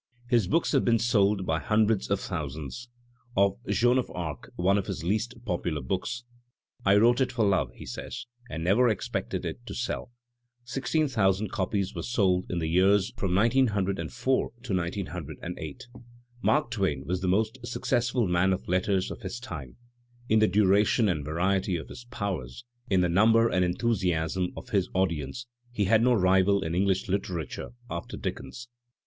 His books have been sold by hundreds of thousands. Of "Joan of Arc," one of his least popular books ("I wrote it for love," he says, "and never expected it to sell"), sixteen thousand copies were sold in 248 Digitized by Google MARK TWAIN 249 the years from 1904 to 1908. Mark Twain was the most successful man of letters of his time; in the duration and variety of his powers, in the number and enthusiasm of his audience he has no rival in Enghsh literature after Dickens.